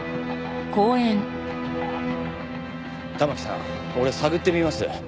環さん俺探ってみます。